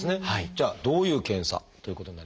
じゃあどういう検査ということになりますか？